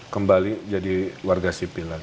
kembali jadi warga sipil lagi